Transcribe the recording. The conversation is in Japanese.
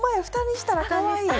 蓋にしたらかわいい。